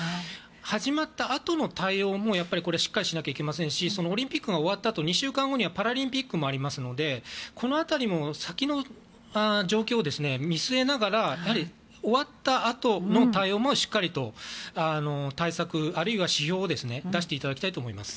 始まったあとの対応もやっぱりしっかりしないといけませんしオリンピックが終わったあと２週間後にはパラリンピックもありますのでこの辺りも先の状況を見据えながらやはり終わったあとの対応もしっかりと対策、あるいは指標を出していただきたいと思います。